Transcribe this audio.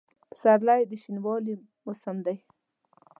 پسرلی د شنوالي موسم دی.